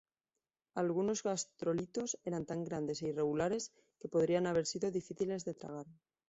Algunos gastrolitos eran tan grandes e irregulares que podrían haber sido difíciles de tragar.